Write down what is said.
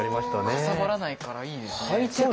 かさばらないからいいですね。